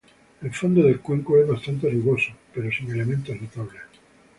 El fondo del cuenco es bastante rugoso, pero sin elementos notables.